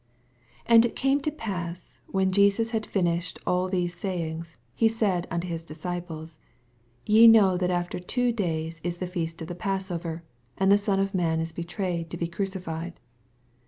1 And it came to pass, when Jeans had finished all these sayings, he said nnto his disoiples, 2 Ye know that after two days is ike feast qflht Passover, and the Son of man is betrayed to be cmoified.